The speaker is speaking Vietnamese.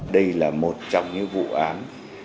đây là một trong những vụ án